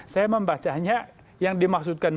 saya membacanya yang dimaksudkan